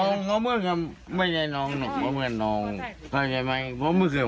ข่าวจากหน้าตอนนั้นสอดนอกตรงนี้หรอเขาจะบิน